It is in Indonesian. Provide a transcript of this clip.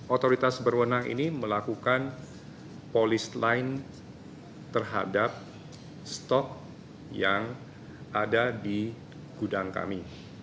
otoritas berwenang ini melakukan polis lain terhadap stok yang ada di gudang kami